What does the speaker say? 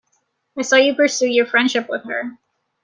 I saw you pursue your friendship with her.